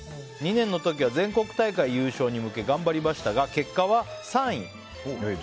２年の時は全国大会優勝に向け頑張りましたが結果は３位。